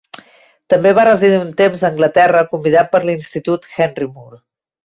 També va residir un temps a Anglaterra convidat per l'Institut Henry Moore.